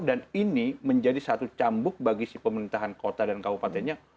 dan ini menjadi satu cambuk bagi si pemerintahan kota dan kabupatennya